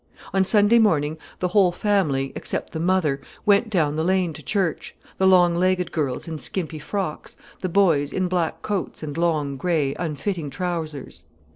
On Sunday morning the whole family, except the mother, went down the lane to church, the long legged girls in skimpy frocks, the boys in black coats and long, grey, unfitting trousers.